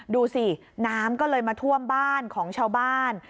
ดูสิน้ำก็เลยมาท่วมบ้านของชาวบ้าน